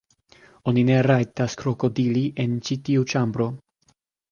Oni ne rajtas krokodili en ĉi tiu ĉambro.